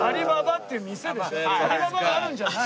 アリババがあるんじゃない。